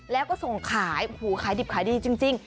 แล้วก็ส่งขายโอ้โหขายดิบขายดีจริง